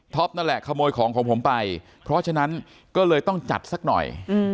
นั่นแหละขโมยของของผมไปเพราะฉะนั้นก็เลยต้องจัดสักหน่อย